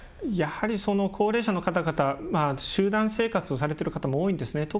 やはり、高齢者の方々集団生活をされている方も多いんですね。